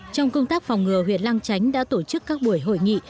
trong công tác phòng ngừa huyện lăng chánh đã tổ chức các buổi hội nghị